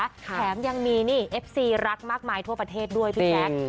แถมยังมีนี่เอฟซีรักมากมายทั่วประเทศด้วยพี่แจ๊ค